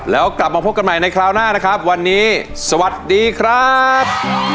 แล้วกลับมาพบกันใหม่ในคราวหน้านะครับวันนี้สวัสดีครับ